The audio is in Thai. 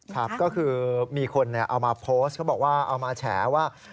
ครับก็คือมีคนเอามาโพสต์เขาบอกว่าเอามาแฉว่า